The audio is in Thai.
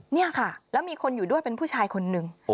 นี่ค่ะแล้วมีคนอยู่ด้วยเป็นผู้ชายคนนึง